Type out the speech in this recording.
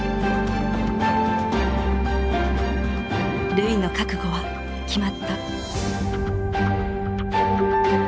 瑠唯の覚悟は決まった。